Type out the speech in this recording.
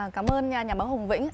cảm ơn nhà báo hùng vĩnh